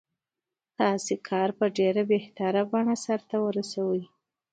ستاسې کار په ډېره بهتره بڼه سرته ورسوي.